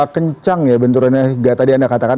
kencang ya benturannya hingga tadi anda katakan